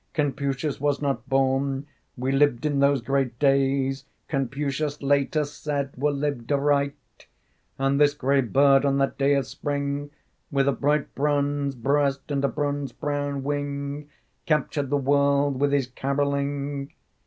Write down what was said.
Confucius was not born; We lived in those great days Confucius later said were lived aright.... And this gray bird, on that day of spring, With a bright bronze breast, and a bronze brown wing, Captured the world with his carolling.